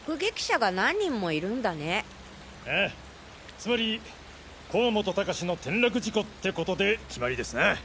つまり甲本高士の転落事故ってことで決まりですな。